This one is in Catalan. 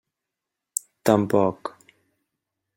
Tampoc.